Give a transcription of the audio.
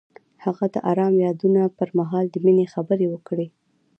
هغه د آرام یادونه پر مهال د مینې خبرې وکړې.